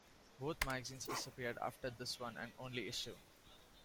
Both magazines disappeared after this one and only issue.